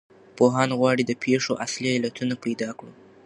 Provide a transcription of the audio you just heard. پوهان غواړي د پېښو اصلي علتونه پیدا کړو.